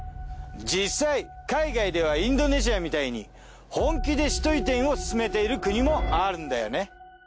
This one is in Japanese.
実際海外ではインドネシアみたいに本気で首都移転を進めている国もあるんだよね。